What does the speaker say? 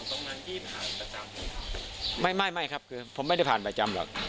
ท่านบอกตรงนั้นที่ผ่านประจำหรือเปล่าไม่ไม่ครับคือผมไม่ได้ผ่านประจำหรอก